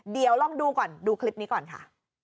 เดี๋ยวลองดูก่อนดูคลิปนี้ก่อนค่ะ